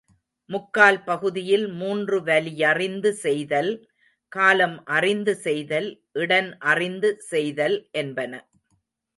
முக்கால் பகுதியில் மூன்று வலியறிந்து செய்தல், காலம் அறிந்து செய்தல், இடன் அறிந்து செய்தல்— என்பன.